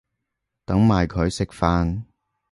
等埋佢食飯